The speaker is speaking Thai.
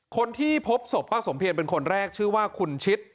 คนที่พบศพป้าสมเพียรเป็นคนแรกชื่อว่าคุณชิด